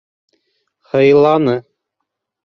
Һыйланы.